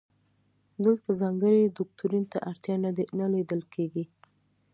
دلته ځانګړي دوکتورین ته اړتیا نه لیدل کیږي.